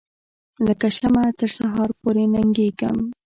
لکه شمعه تر سهار پوري ننیږم